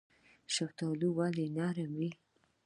شفتالو ولې نرم وي؟